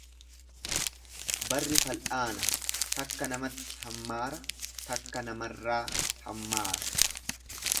Barri fal'aana, takka namatti hammaara, takka namarraa hammaara.